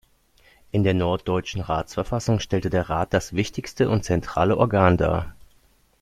In der Norddeutschen Ratsverfassung stellte der Rat das wichtigste und zentrale Organ dar.